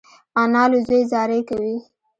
انا له زوی زاری کوي